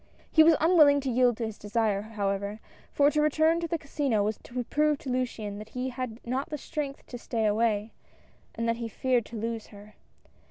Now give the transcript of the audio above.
He was unwilling to yield to this desire however, for to return to the Casino was to prove to Luciane that he had not the strength to stay away, and that he feared to lose her.